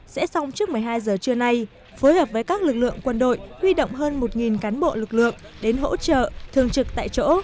sẽ xong trước một mươi hai giờ trưa nay phối hợp với các lực lượng quân đội huy động hơn một cán bộ lực lượng đến hỗ trợ thường trực tại chỗ